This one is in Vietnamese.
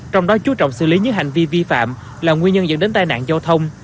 trong đó chú trọng xử lý những hành vi vi phạm là nguyên nhân dẫn đến tai nạn giao thông